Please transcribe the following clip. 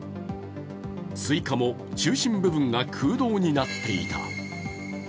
スイカも、中心部分が空洞になっていた。